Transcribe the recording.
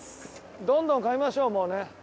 どんどん買いましょうもうね。